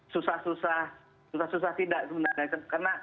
susah susah tidak sebenarnya